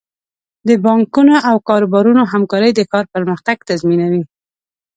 د بانکونو او کاروبارونو همکاري د ښار پرمختګ تضمینوي.